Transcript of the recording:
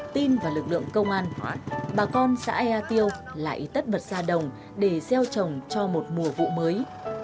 tin vào lực lượng công an bà con xã ea tiêu lại tất bật ra đồng để gieo trồng cho một mùa vụ mới